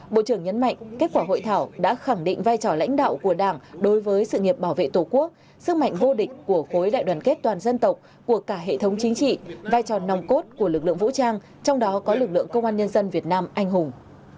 bộ trưởng nhấn mạnh kết quả hội thảo đã khẳng định vai trò lãnh đạo của đảng đối với sự nghiệp bảo vệ tổ quốc sức mạnh vô địch của khối đại đoàn kết toàn dân tộc của cả hệ thống chính trị vai trò nòng cốt của lực lượng vũ trang trong đó có lực lượng công an nhân dân việt nam anh hùng